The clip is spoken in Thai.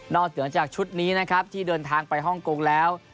เหนือจากชุดนี้นะครับที่เดินทางไปฮ่องกงแล้ว